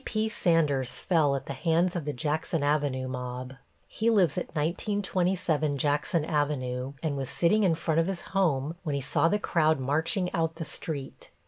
T.P. Sanders fell at the hands of the Jackson Avenue mob. He lives at 1927 Jackson Avenue, and was sitting in front of his home when he saw the crowd marching out the street.